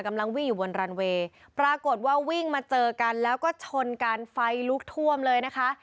กำลังวิ่งอยู่บนรันเวย์ปรากฏว่าวิ่งมาเจอกันแล้วก็ชนกันไฟลุกท่วมเลยนะคะ